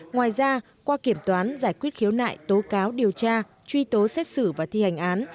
ngoài ra qua kiểm toán giải quyết khiếu nại tố cáo điều tra truy tố xét xử và thi hành án